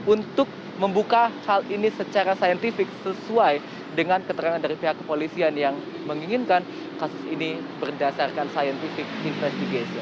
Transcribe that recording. untuk membuka hal ini secara saintifik sesuai dengan keterangan dari pihak kepolisian yang menginginkan kasus ini berdasarkan scientific investigation